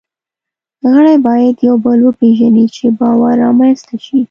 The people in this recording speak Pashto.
غړي باید یو بل وپېژني، چې باور رامنځ ته شي.